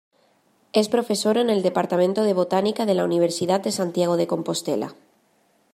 Es profesora en el departamento de Botánica, de la Universidad de Santiago de Compostela.